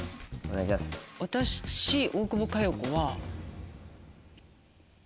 私大久保佳代子は。